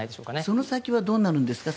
その先はどうなるんですか？